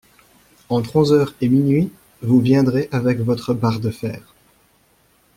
Entre onze heures et minuit, vous viendrez avec votre barre de fer.